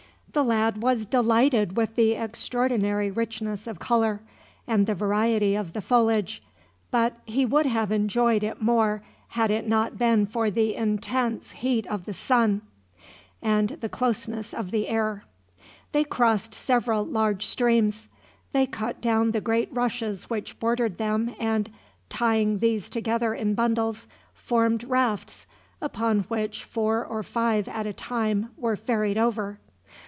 The lad was delighted with the extraordinary richness of color, and the variety of the foliage, but he would have enjoyed it more had it not been for the intense heat of the sun, and the closeness of the air. They crossed several large streams. They cut down the great rushes which bordered them and, tying these together in bundles, formed rafts, upon which four or five at a time were ferried over.